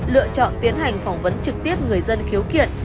lựa chọn tiến hành phỏng vấn trực tiếp người dân khiếu kiện